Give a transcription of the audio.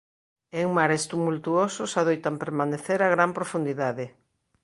En mares tumultuosos adoitan permanecer a gran profundidade.